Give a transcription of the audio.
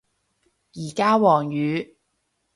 而家黃雨